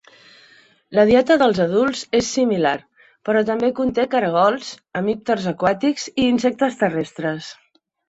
La dieta dels adults és similar, però també conté caragols, hemípters aquàtics i insectes terrestres.